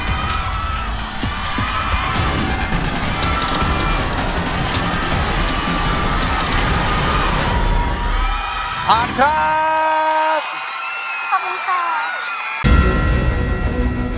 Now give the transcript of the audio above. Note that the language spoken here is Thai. อาทับ